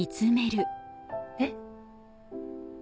えっ？